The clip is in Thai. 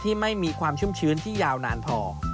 ไม่มีความชุ่มชื้นที่ยาวนานพอ